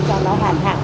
cho nó hoàn hảo